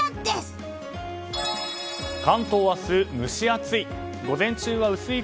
関東は明日、蒸し暑い。